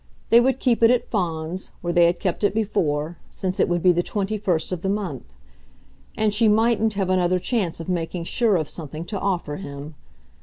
They would keep it at Fawns, where they had kept it before since it would be the twenty first of the month; and she mightn't have another chance of making sure of something to offer him.